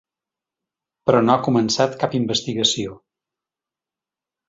Però no ha començat cap investigació.